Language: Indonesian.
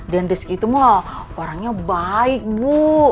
dan dia sih itu mah orangnya baik bu